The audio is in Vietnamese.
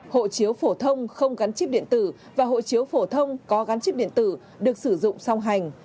hộ chiếu phổ thông không gắn chip điện tử và hộ chiếu phổ thông có gắn chip điện tử được sử dụng song hành